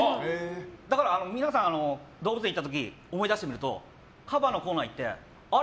だから皆さん動物園に行った時思い出してみるとカバのコーナーであれ？